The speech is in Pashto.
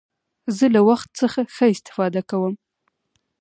زه له وخت څخه ښه استفاده کوم.